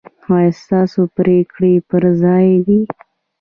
ایا ستاسو پریکړې پر ځای دي؟